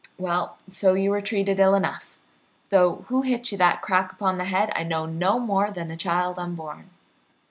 Well, so you were treated ill enough though who hit you that crack upon the head I know no more than a child unborn.